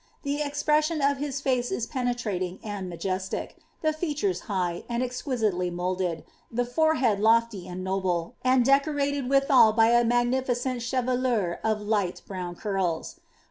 The expression of his face is penetrating and majestic, the features high, and exquisitely moulded, the forehead loftf and noble, and decorated withal by a magnificent chevelure of light brown curls.'